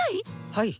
はい。